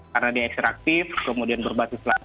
karena dia ekstraktif kemudian berbasis lahan